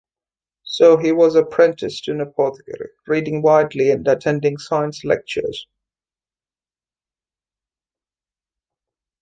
So he was apprenticed to an apothecary, reading widely and attending science lectures.